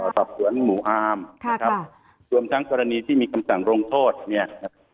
สอบสวนหมู่อาร์มนะครับรวมทั้งกรณีที่มีคำสั่งลงโทษเนี่ยนะครับ